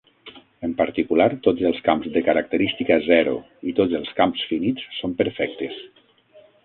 En particular, tots els camps de característica zero i tots els camps finits són perfectes.